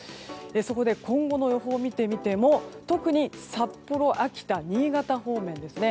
そこで、今後の予報を見てみても特に札幌、秋田、新潟方面ですね。